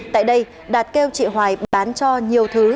tại đây đạt kêu chị hoài bán cho nhiều thứ